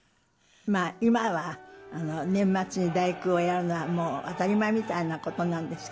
今は年末に第九をやるのはもう、当たり前みたいなことなんですけ